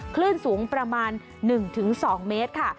คลื่นสูงประมาณ๑๒เมตรค่ะ